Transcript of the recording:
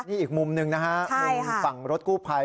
นี่อีกมุมหนึ่งนะฮะมุมฝั่งรถกู้ภัย